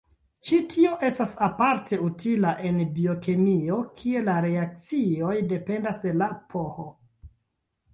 Ĉi tio estas aparte utila en biokemio, kie la reakcioj dependas de la pH.